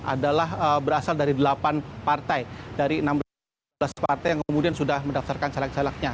adalah berasal dari delapan partai dari enam belas partai yang kemudian sudah mendaftarkan caleg calegnya